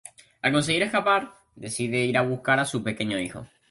Al conseguir escapar, decide ir a buscar a su pequeño hijo.